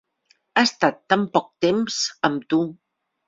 Ha estat tan poc temps amb tu.